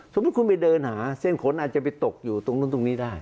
สมมุติคุณไปเดินหาเส้นขนอาจจะไปตกอยู่ตรงนู้นตรงนี้ได้